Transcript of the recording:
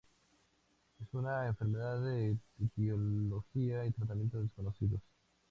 Es una enfermedad de etiología y tratamiento desconocidos.